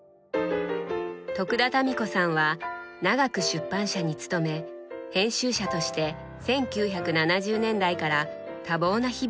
田民子さんは長く出版社に勤め編集者として１９７０年代から多忙な日々を送りました。